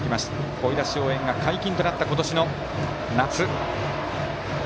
声出し応援が解禁となった今年の夏。